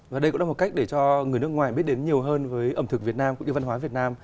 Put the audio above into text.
và đây cũng là một cách để cho người nước ngoài biết đến nhiều hơn với ẩm thực việt nam cũng như văn hóa việt nam